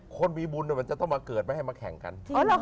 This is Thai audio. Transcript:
คนมีบุญมันจะต้องมาเกิดไม่ให้มาแข่งกัน